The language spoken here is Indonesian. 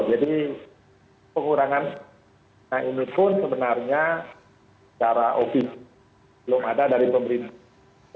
jadi pengurangan ini pun sebenarnya secara opis belum ada dari pemerintah